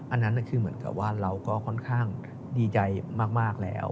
อันนั้นคือเหมือนกับว่าเราก็ค่อนข้างดีใจมากแล้ว